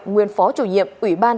nguyên phó chủ nhiệm ủy ban